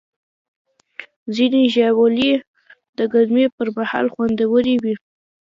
ځینې ژاولې د ګرمۍ پر مهال خوندورې وي.